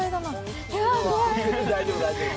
大丈夫大丈夫。